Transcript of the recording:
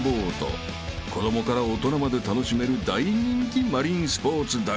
［子供から大人まで楽しめる大人気マリンスポーツだが］